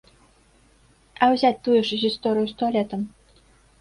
А ўзяць тую ж гісторыю з туалетам.